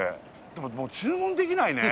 でももう注文できないね。